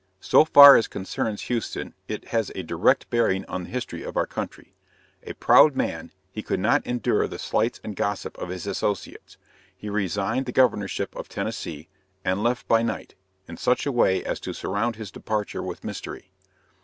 So far as concerns Houston it has a direct bearing on the history of our country. A proud man, he could not endure the slights and gossip of his associates. He resigned the governorship of Tennessee, and left by night, in such a way as to surround his departure with mystery.